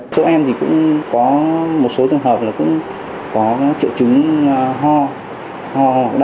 chúng em thì cũng có một số trường hợp là cũng có trợ chứng hò hò đo